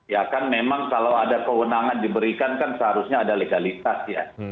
ya kan memang kalau ada kewenangan diberikan kan seharusnya ada legalitas ya